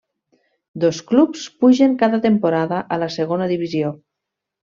Dos clubs pugen cada temporada a la segona divisió.